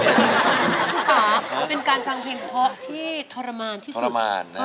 ค่ะเป็นการฟังเพลงเพราะที่ทรมานที่สุด